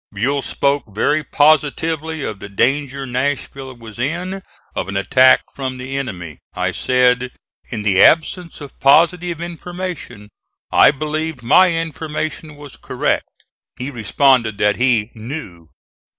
Buell spoke very positively of the danger Nashville was in of an attack from the enemy. I said, in the absence of positive information, I believed my information was correct. He responded that he "knew."